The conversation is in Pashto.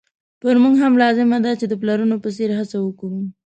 پر موږ هم لازمه ده چې د پلرونو په څېر هڅه وکړو.